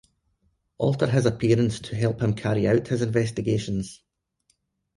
Alter his appearance to help him carry out his investigations.